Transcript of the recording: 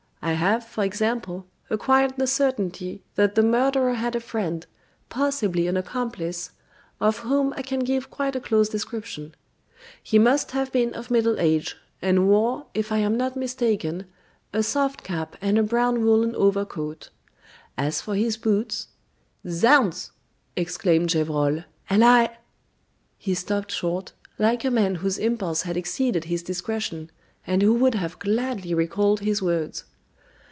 I have, for example, acquired the certainty that the murderer had a friend, possibly an accomplice, of whom I can give quite a close description. He must have been of middle age, and wore, if I am not mistaken, a soft cap and a brown woolen overcoat: as for his boots " "Zounds!" exclaimed Gevrol, "and I " He stopped short, like a man whose impulse had exceeded his discretion, and who would have gladly recalled his words.